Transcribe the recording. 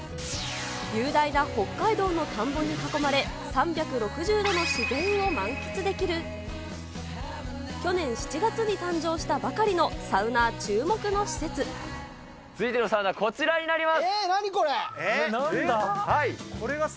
雄大な北海道の田んぼに囲まれ、３６０度の自然を満喫できる、去年７月に誕生したばかりのサウ続いてのサウナ、こちらにな何これ。